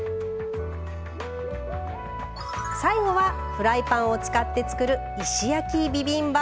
最後はフライパンを使って作る石焼きビビンバ風。